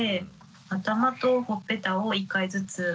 頭とほっぺたを１回ずつ。